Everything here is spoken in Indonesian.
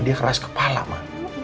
dia keras kepala ma